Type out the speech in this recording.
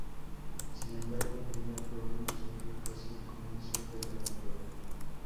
Sin embargo, el primer problema surgió casi al comienzo de la maniobra.